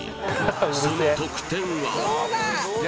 その得点は？